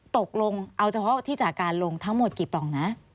ตกลงเอาเฉพาะที่จากการลงทั้งหมดกี่ปล่องนะ